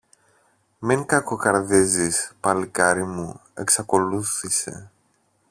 Μην κακοκαρδίζεις, παλικάρι μου, εξακολούθησε.